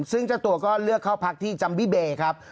ซึ่งเจ้าตัวก็เลือกเข้าพักที่จัมบิเบย์ครับ